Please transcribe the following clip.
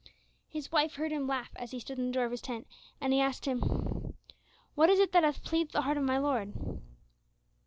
His wife heard him laugh as he stood in the door of the tent, and she asked him, "What is it that hath pleased the heart of my lord?"